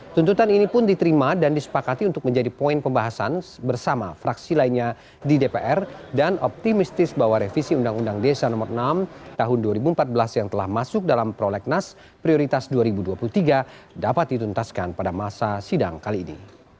tuntutan ini pun diterima dan disepakati untuk menjadi poin pembahasan bersama fraksi lainnya di dpr dan optimistis bahwa revisi undang undang desa no enam tahun dua ribu empat belas yang telah masuk dalam prolegnas prioritas dua ribu dua puluh tiga dapat dituntaskan pada masa sidang kali ini